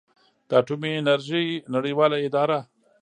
د اټومي انرژۍ نړیواله اداره